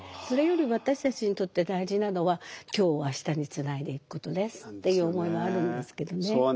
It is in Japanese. それより私たちにとって大事なのは今日を明日につないでいくことですっていう思いもあるんですけどね。